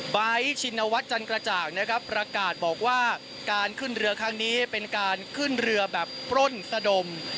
ชินวัฒน์จันกระจ่างนะครับประกาศบอกว่าการขึ้นเรือครั้งนี้เป็นการขึ้นเรือแบบปล้นสะดม